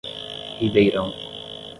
Ribeirão